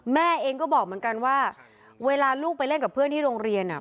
แม่เองก็บอกเหมือนกันว่าเวลาลูกไปเล่นกับเพื่อนที่โรงเรียนอ่ะ